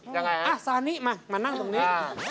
ยังไงอ่ะซานิมามานั่งตรงนี้